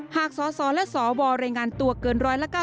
สสและสวรายงานตัวเกิน๑๙